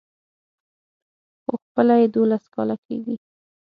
خو خپله يې دولس کاله کېږي.